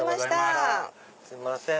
すんません。